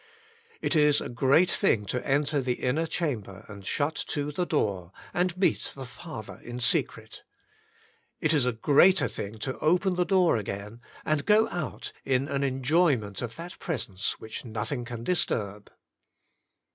It is a great thing to enter the inner chamber, and shut to the door, and meet the Father in secret. It is a greater thing to open the door again, and go out, in an enjoyment of that Presence which nothing can disturb.